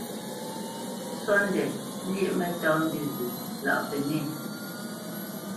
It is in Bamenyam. Sóndɛ lyéʼ mǝ́tāmbîzǝ lâʼ pǝnɛ̂.